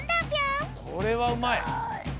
これはうまい。